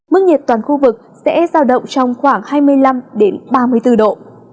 mức nhiệt toàn khu vực sẽ giao động trong khoảng hai mươi năm ba mươi bốn độ